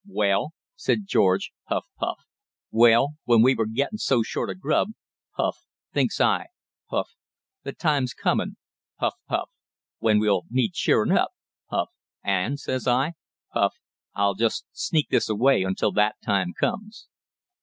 "Well," said George puff, puff "well, when we were gettin' so short of grub" puff "thinks I" puff "the time's comin'" puff, puff "when we'll need cheerin' up" puff "and, says I," puff "I'll just sneak this away until that time comes."